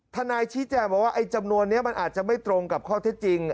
ชี้แจงบอกว่าไอ้จำนวนนี้มันอาจจะไม่ตรงกับข้อเท็จจริง